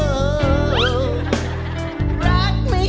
พอสมาธิรักไม่ยอม